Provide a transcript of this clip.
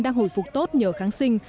đang hồi phục tốt nhờ kháng sinh